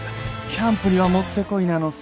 キャンプにはもってこいなのさ。